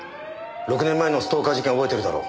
６年前のストーカー事件覚えてるだろ。